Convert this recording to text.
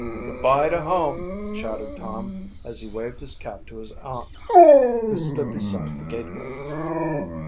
"Good by to home!" shouted Tom, as he waved his cap to his aunt, who stood beside the gateway.